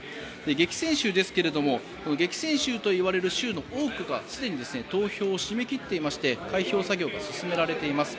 激戦州ですが激戦州といわれる州の多くがすでに投票を締め切っていまして開票作業が進められています。